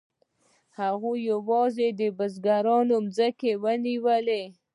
هغوی نه یوازې د بزګرانو ځمکې ونیولې